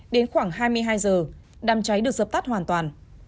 đến khoảng hai mươi hai h đám cháy được dập tắt hoàn toàn